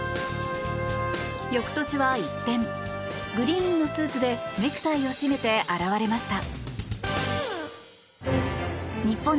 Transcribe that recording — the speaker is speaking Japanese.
翌年は一転、グリーンのスーツでネクタイを締めて表れました。